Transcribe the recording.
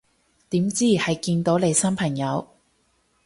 點知係見到你新朋友